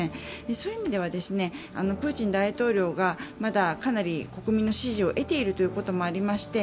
そういう意味では、プーチン大統領がまだかなり国民の支持を得ているということもありまして、